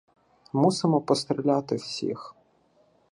— Мусимо постріляти всіх.